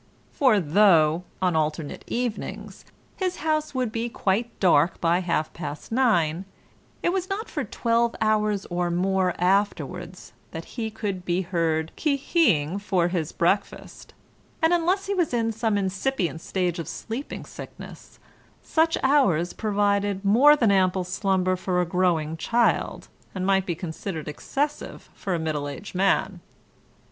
For though (on alternate evenings) his house would be quite dark by half past nine, it was not for twelve hours or more afterwards that he could be heard qui hi ing for his breakfast, and unless he was in some incipient stage of sleeping sickness, such hours provided more than ample slumber for a growing child, and might be considered excessive for a middle aged man.